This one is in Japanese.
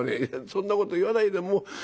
「そんなこと言わないでもう。